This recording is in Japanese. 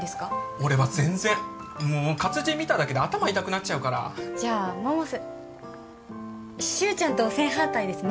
俺は全然もう活字見ただけで頭痛くなっちゃうからじゃ百瀬柊ちゃんと正反対ですね